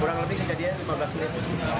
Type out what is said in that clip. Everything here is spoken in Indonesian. kurang lebih kejadian lima belas menit